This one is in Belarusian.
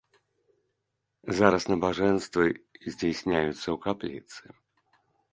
Зараз набажэнствы здзяйсняюцца ў капліцы.